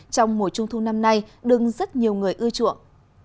trong mùa trung thu năm nay đứng rất nhiều người ưa chuộng